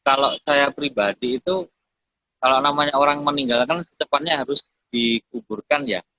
kalau saya pribadi itu kalau namanya orang meninggal kan secepatnya harus dikuburkan ya